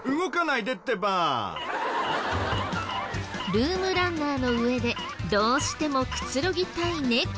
ルームランナーの上でどうしてもくつろぎたい猫。